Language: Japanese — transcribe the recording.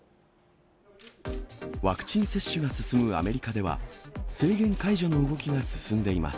ワクチン接種が進むアメリカでは、制限解除の動きが進んでいます。